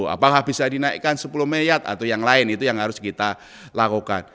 apakah bisa dinaikkan sepuluh miliar atau yang lain itu yang harus kita lakukan